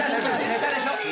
ネタでしょ？